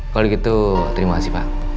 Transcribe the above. kalau gitu terima kasih pak